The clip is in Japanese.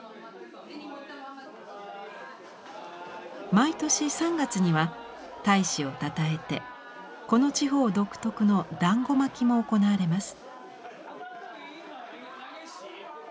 毎年３月には太子をたたえてこの地方独特の団子まきも行われます。